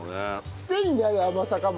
クセになる甘さかも。